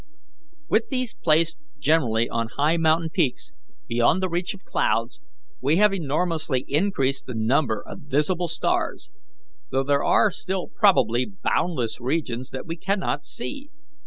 With these placed generally on high mountain peaks, beyond the reach of clouds, we have enormously increased the number of visible stars, though there are still probably boundless regions that we cannot see.